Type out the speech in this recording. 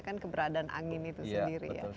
kan keberadaan angin itu sendiri ya